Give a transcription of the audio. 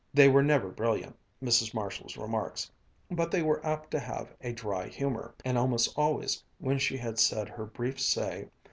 They were never brilliant, Mrs. Marshall's remarks but they were apt to have a dry humor, and almost always when she had said her brief say?